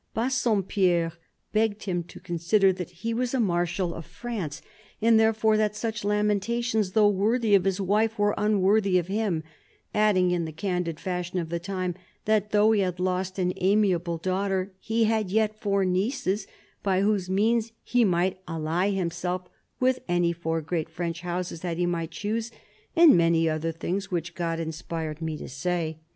Bassompierre begged him to consider that he was a Marshal of France, and therefore that such lamentations, though worthy of his wife, were unworthy of him ; adding in the candid fashion of the time that although he had lost an amiable daughter he had yet four nieces, by whose means he might ally himself with any four great French houses that he might choose —" and many other things which God inspired me to say."